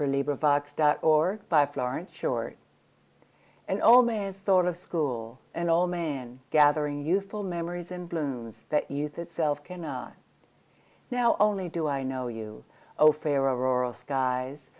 An Old Man's Thought of School AN old man's thought of School; An old man, gathering youthful memories and blooms, that youth itself cannot. Now only do I know you!O fair auroral skies!